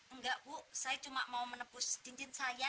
enggak bu saya cuma mau menebus cincin saya